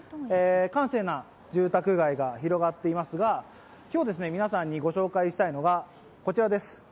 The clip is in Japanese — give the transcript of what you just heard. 閑静な住宅街が広がっていますが、今日、皆さんにご紹介したいのがこちらです。